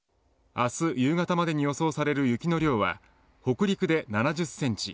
明日夕方までに予想される雪の量は北陸で７０センチ。